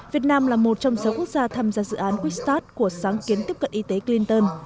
việt nam là một trong sáu quốc gia tham gia dự án wistat của sáng kiến tiếp cận y tế clinton